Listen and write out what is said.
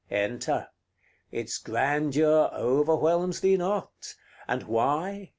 CLV. Enter: its grandeur overwhelms thee not; And why?